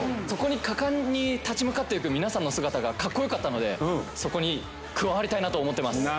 そこに果敢に立ち向かっていく皆さんの姿がかっこよかったのでそこに加わりたいなと思ってます。